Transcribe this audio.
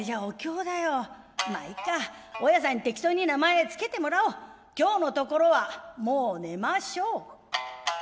まいいか大家さんに適当に名前付けてもらおう今日のところはもう寝ましょう」。